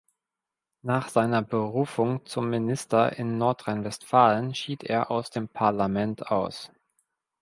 Nach seiner Berufung zum Minister in Nordrhein-Westfalen schied er aus dem Parlament aus.